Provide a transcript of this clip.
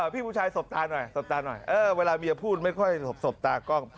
พี่ผู้ชายสบตาหน่อยเวลาเมียพูดไม่ค่อยสบตาก็